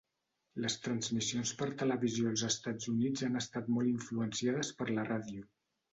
Les transmissions per televisió als Estats Units han estat molt influenciades per la ràdio.